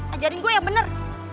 ajarin gua yang bener